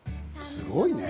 すごいね。